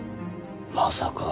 まさか。